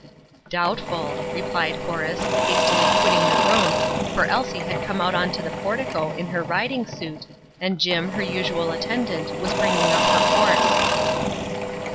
"Doubtful," replied Horace, hastily quitting the room, for Elsie had come out on to the portico in her riding suit, and Jim, her usual attendant, was bringing up her horse.